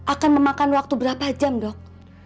akan memakan waktu berapa jam dok